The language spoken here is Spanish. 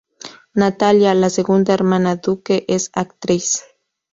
Natalia, la segunda hermana Duque, es actriz.